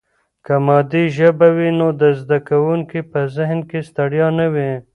که مادي ژبه وي نو د زده کوونکي په ذهن کې ستړیا نه وي.